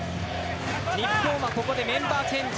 日本はここでメンバーチェンジ。